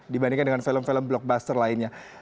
dibandingkan dengan film film blockbuster lainnya